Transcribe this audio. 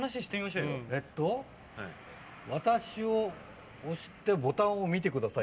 私を押してボタンを見てください。